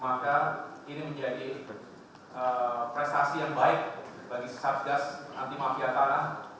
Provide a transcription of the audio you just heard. maka ini menjadi prestasi yang baik bagi satgas anti mafia tanah